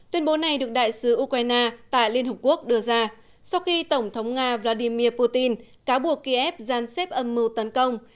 tuyên bố này được đại sứ ukraine tại liên hợp quốc đưa ra sau khi tổng thống nga vladimir putin cáo buộc kiev gian xếp âm mưu tấn công